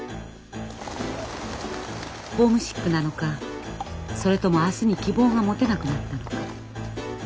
ホームシックなのかそれとも明日に希望が持てなくなったのか。